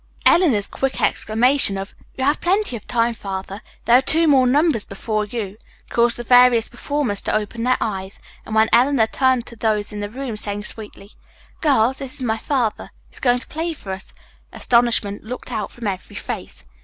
Eleanor's quick exclamation of, "You have plenty of time, Father, there are two more numbers before yours," caused the various performers to open their eyes, and when Eleanor turned to those in the room, saying sweetly, "Girls, this is my father. He is going to play for us," astonishment looked out from every face.